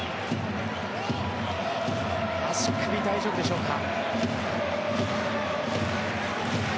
足首大丈夫でしょうか？